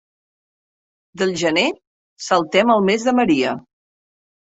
Del gener saltem al mes de Maria.